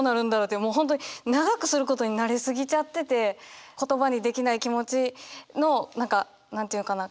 もう本当に長くすることに慣れ過ぎちゃってて言葉にできない気持ちの何か何て言うのかな？